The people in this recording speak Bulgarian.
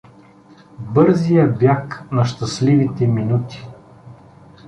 — Бързия бяг на щастливите минути.